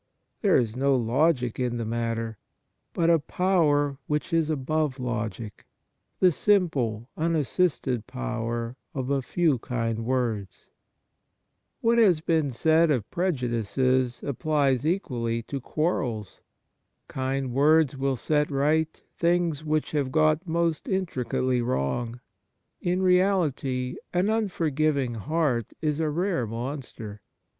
There is no logic in the matter, but a power which is above logic, the simple, unassisted power of a few kind words. \Miat has been said of prejudices applies equally to quarrels. Kind words will set right things which have got most intricately wrong. In reality an unforgiving heart is a rare monster.